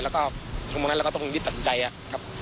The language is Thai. แล้วก็ตรงนั้นเราก็ต้องรีบตัดสินใจครับ